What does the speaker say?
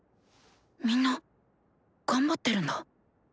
みんな頑張ってるんだ！